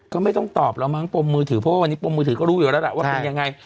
ก็ไม่ต้องตอบแล้วมั้งปมมือถือเพราะว่าวันนี้ปมมือถือก็รู้อยู่แล้วล่ะว่าเป็นยังไง